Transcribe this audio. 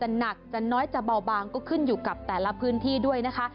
หนักจะน้อยจะเบาบางก็ขึ้นอยู่กับแต่ละพื้นที่ด้วยนะคะ